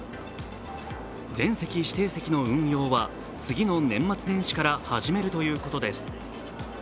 全席指定席の運用は次の年末年始から始めるということです。